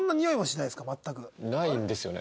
ないんですよね。